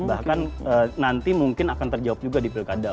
bahkan nanti mungkin akan terjawab juga di pilkada